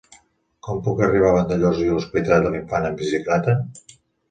Com puc arribar a Vandellòs i l'Hospitalet de l'Infant amb bicicleta?